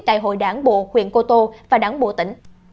đại hội đảng bộ huyện cô tô và đảng bộ tỉnh